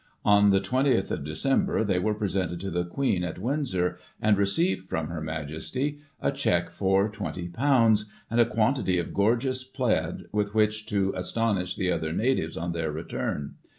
On the 20 Dec. they were presented to the Queen at Windsor, and received from Her Majesty a cheque for ;£^20, and a quantity of goi^eous plaid, with which to astonish the other natives, on their return.